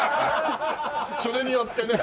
それによってね。